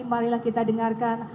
marilah kita dengarkan